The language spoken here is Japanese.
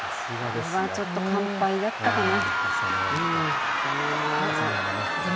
ちょっと完敗だったかな。